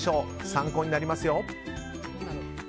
参考になりますよ。